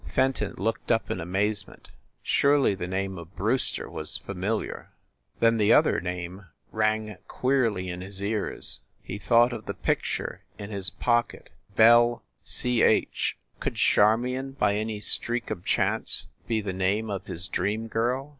Fenton looked up in amazement. Surely the name of Brewster was familiar! Then the other name rang queerly in his ears. He thought of the picture in his pocket "Belle Ch Could Charmion by any streak of chance be the name of his dream girl?